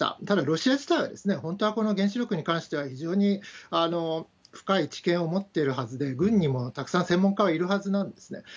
ただ、ロシア自体は、本当はこの原子力に関しては非常に深い知見を持っているはずで、軍にもたくさん専門家はいるはずなんですね。